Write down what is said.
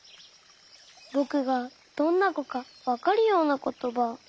ぼくがどんなこかわかるようなことば。